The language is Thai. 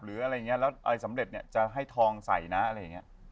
หรืออะไรอย่างนี้แล้วอะไรสำเร็จเนี่ยจะให้ทองใส่นะอะไรอย่างนี้